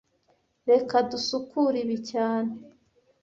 Reka dusukure ibi cyane